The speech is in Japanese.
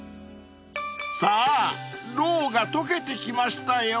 ［さぁろうが溶けてきましたよ］